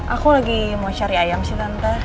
aku lagi mau cari ayam sih tante